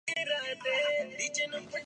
میں آپ کو حوالات میں بند کروا دوں گا